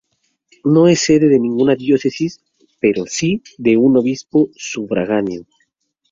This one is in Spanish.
No es sede de ninguna diócesis, pero sí de un obispo sufragáneo.